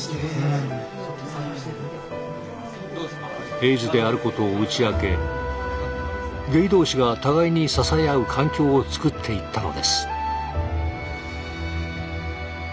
エイズであることを打ち明けゲイ同士が互いに支え合う環境をつくっていったのです。